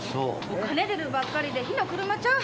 お金出るばっかりで火の車ちゃう？